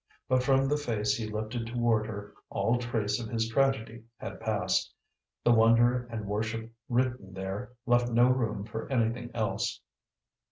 But from the face he lifted toward her all trace of his tragedy had passed: the wonder and worship written there left no room for anything else.